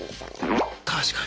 確かに！